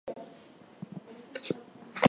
Its structure have been entirely duralumin.